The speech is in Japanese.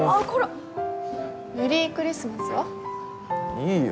いいよ